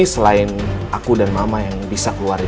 selain aku dan mama yang bisa keluarin